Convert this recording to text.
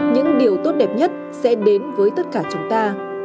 những điều tốt đẹp nhất sẽ đến với tất cả chúng ta